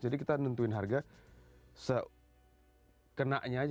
jadi kita nentuin harga sekenanya aja